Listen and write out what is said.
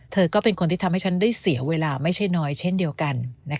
เธอก็เป็นคนที่ทำให้ฉันได้เสียเวลาไม่ใช่น้อยเช่นเดียวกัน